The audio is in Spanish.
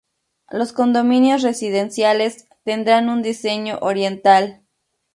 Los condominios residenciales tendrán un diseño oriental.